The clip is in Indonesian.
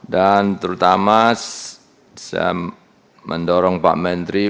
dan terutama saya mendorong pak menteri